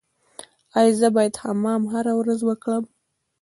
ایا زه باید حمام هره ورځ وکړم؟